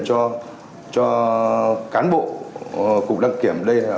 cho cán bộ cục đăng kiểm